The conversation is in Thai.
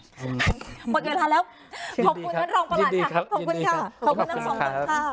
หมดเวลาแล้วขอบคุณท่านรองประหลัดค่ะขอบคุณค่ะขอบคุณทั้งสองคนค่ะ